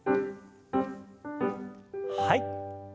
はい。